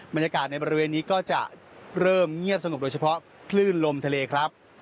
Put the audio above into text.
บรรยากาศในบริเวณนี้ก็จะเริ่มเงียบสงบโดยเฉพาะคลื่นลมทะเลครับ